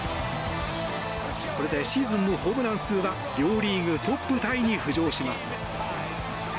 これでシーズンのホームラン数は両リーグトップタイに浮上します。